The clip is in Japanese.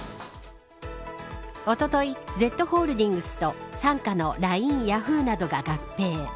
おととい、Ｚホールディングスと傘下のＬＩＮＥヤフーなどが合併。